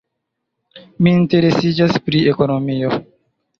Mi interesiĝas pri ekonomio.